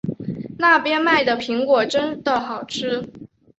那边卖的苹果真的好吃